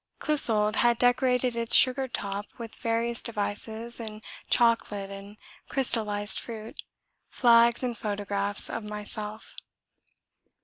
Clissold had decorated its sugared top with various devices in chocolate and crystallised fruit, flags and photographs of myself.